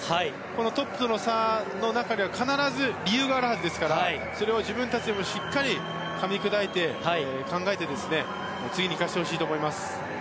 このトップとの差の中には必ず理由があるはずですからそれを自分たちでしっかりとかみ砕いて考えて、次に生かしてほしいと思います。